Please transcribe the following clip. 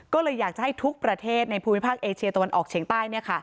ก็เลยอยากจะให้ทุกประเทศในภูมิภาคเอเชียตะวันออกเฉียงใต้